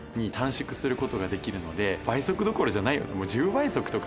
倍速どころじゃないよ。